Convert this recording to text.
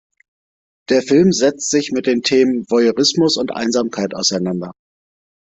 Der Film setzt sich mit den Themen Voyeurismus und Einsamkeit auseinander.